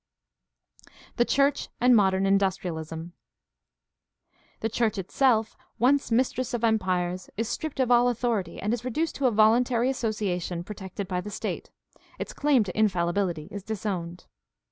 The church and modem industrialism. — The church itself, once mistress of empires, is stripped of all authority and is reduced to a voluntary association protected by the state; its claim to infallibility is disowned.